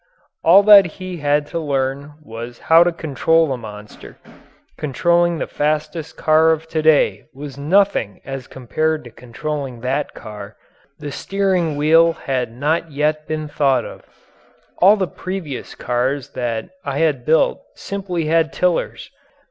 All that he had to learn was how to control the monster. Controlling the fastest car of to day was nothing as compared to controlling that car. The steering wheel had not yet been thought of. All the previous cars that I had built simply had tillers.